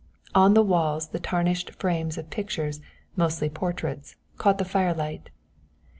On the walls the tarnished frames of pictures, mostly portraits, caught the firelight.